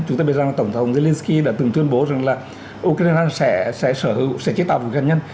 chúng tôi biết rằng là tổng thống zelensky đã từng tuyên bố rằng là ukraine sẽ sở hữu sẽ chế tạo vực gần nhân